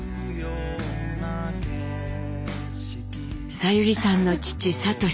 さゆりさんの父智さん。